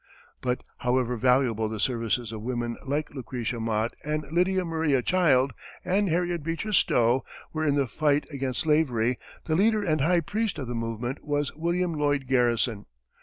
But however valuable the services of women like Lucretia Mott and Lydia Maria Child and Harriet Beecher Stowe were in the fight against slavery, the leader and high priest of the movement was William Lloyd Garrison.